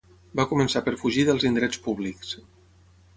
Va començar per fugir dels indrets públics